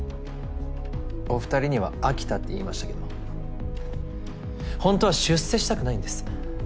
お２人には飽きたって言いましたけどほんとは出世したくないんです。